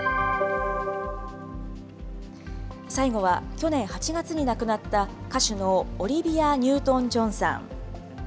最後は、去年８月に亡くなった歌手のオリビア・ニュートンジョンさん。